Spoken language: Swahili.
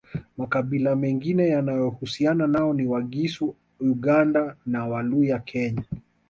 Makabila mengine yanayohusiana nao ni Wagisu Uganda na Waluya Kenya